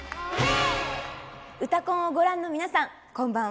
「うたコン」をご覧の皆さんこんばんは。